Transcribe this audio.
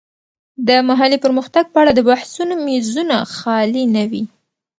د محلي پرمختګ په اړه د بحثونو میزونه خالي نه وي.